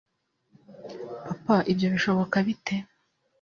papa ibyo bishoboka bite